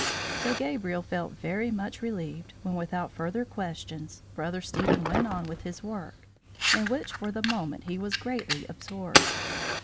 So Gabriel felt much relieved when, without further questions, Brother Stephen went on with his work, in which for the moment he was greatly absorbed.